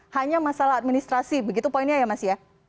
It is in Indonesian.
hanya masalah administrasi begitu poinnya ya mas ya